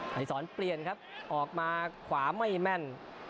ให้สอนเปลี่ยนครับออกมาขวาไม่แม่น